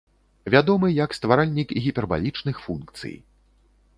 Вядомы як стваральнік гіпербалічных функцый.